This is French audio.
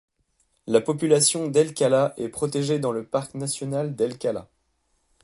La population d'El Kala est protégée dans le parc national d'El-Kala.